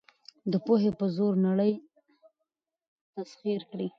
د پوهې په زور نړۍ تسخیر کړئ.